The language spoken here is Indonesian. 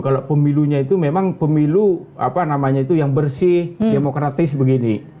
kalau pemilunya itu memang pemilu apa namanya itu yang bersih demokratis begini